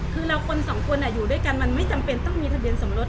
คือเราคนสองคนอยู่ด้วยกันมันไม่จำเป็นต้องมีทะเบียนสมรส